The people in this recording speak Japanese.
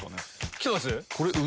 きてます？